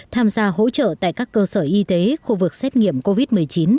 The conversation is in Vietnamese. tham gia hỗ trợ tại các cơ sở y tế khu vực xét nghiệm covid một mươi chín